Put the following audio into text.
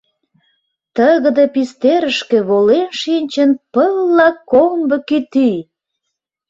Тыгыде пистерышке волен шинчын пылла комбо кӱтӱ!